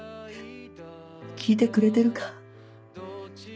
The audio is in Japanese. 聞いてくれてるか？